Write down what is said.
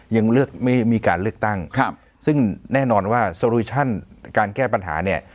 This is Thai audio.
ยังเลือกไม่มีการเลือกตั้งครับซึ่งแน่นอนว่าโซลูชั่นการแก้ปัญหาเนี่ย